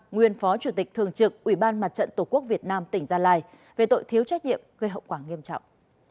nguyên phó chủ tịch thường trực ủy ban mặt trận tổ quốc việt nam tỉnh gia lai về tội thiếu trách nhiệm gây hậu quả nghiêm trọng